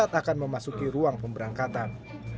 dan memasuki ruang pemberangkatan